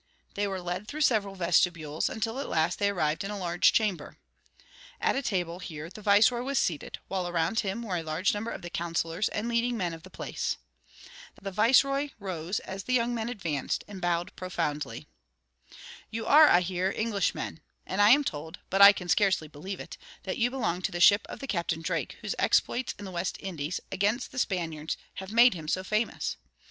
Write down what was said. They were led through several vestibules, until at last they arrived in a large chamber. At a table here the viceroy was seated, while around him were a large number of the councilors and leading men of the place. The viceroy rose as the young men advanced, and bowed profoundly. "You are, I hear, Englishmen; and I am told, but I can scarcely believe it, that you belong to the ship of the Captain Drake whose exploits in the West Indies, against the Spaniards, have made him so famous.